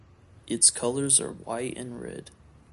Its colors are white and red.